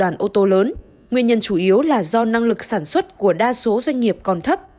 nguyên nhân chủ yếu là do năng lực sản xuất của đa số doanh nghiệp còn thấp